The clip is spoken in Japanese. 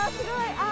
ああ！